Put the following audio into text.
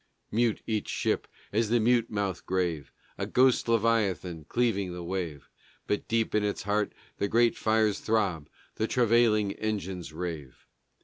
Mute each ship as the mute mouth grave, A ghost leviathan cleaving the wave; But deep in its heart the great fires throb, The travailing engines rave.